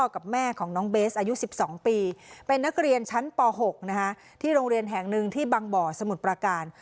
กับแม่ของน้องเบสอายุ๑๒ปีเป็นนักเรียนชั้นป๖ที่โรงเรียนแห่งหนึ่งที่บางบ่อสมุทรประการ